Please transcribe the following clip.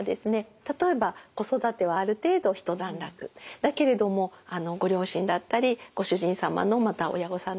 例えば子育てはある程度ひと段落だけれどもご両親だったりご主人様のまた親御さんだったりですね